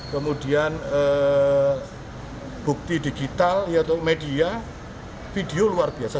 kemudian bukti digital yaitu media video luar biasa